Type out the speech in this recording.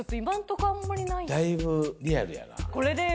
だいぶリアルやな。